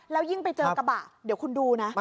แล้วยิ่งไปเจอกระบะเดี๋ยวคุณดูนะ